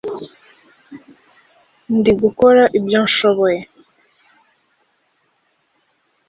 Ndi gukora ibyo nshoboye.